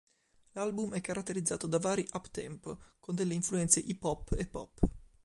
L'album è caratterizzato da vari up-tempo, con delle influenze hip hop e pop.